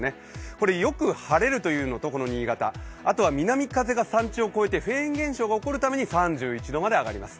これ、よく晴れるというのとこの新潟、あとは南風が山地を越えて、フェーン現象が起こるために、３１度まで上がります。